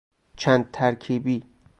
چند ترکیبی